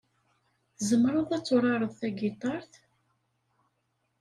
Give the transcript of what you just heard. Tzemreḍ ad turareḍ tagitaṛt?